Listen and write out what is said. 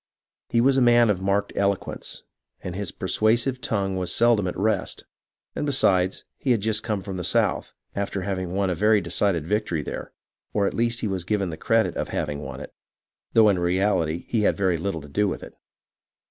He was a man of marked elo quence, and his persuasive tongue was seldom at rest ; and besides, he had just come from the South, after having won a very decided victory there ; or at least he was given the credit of having won it, though in reality he had very little to do with it.